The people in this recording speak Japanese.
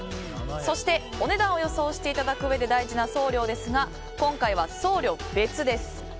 そしてお値段を予想していただくうえで大事な送料ですが今回は送料別です。